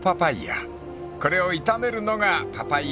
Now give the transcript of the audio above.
［これを炒めるのがパパイヤイリチー］